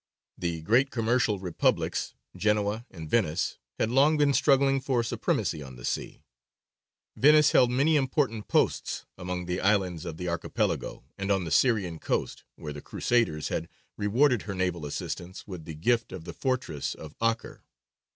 The great commercial republics, Genoa and Venice, had long been struggling for supremacy on the sea. Venice held many important posts among the islands of the Archipelago and on the Syrian coast, where the Crusaders had rewarded her naval assistance with the gift of the fortress of Acre.